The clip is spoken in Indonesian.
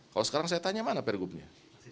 kalau sekarang saya tanya mana pergubnya